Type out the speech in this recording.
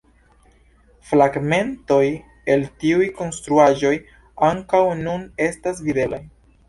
Fragmentoj el tiuj konstruaĵoj ankaŭ nun estas videblaj.